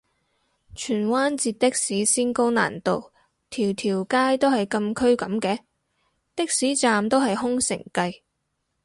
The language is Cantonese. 荃灣截的士先高難度，條條街都係禁區噉嘅？的士站都係空城計